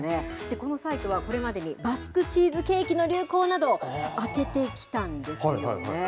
このサイトは、これまでにバスクチーズケーキの流行などを当ててきたんですよね。